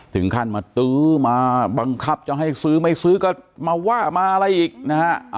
ถึงขั้นมาตื้อมาบังคับจะให้ซื้อไม่ซื้อก็มาว่ามาอะไรอีกนะฮะ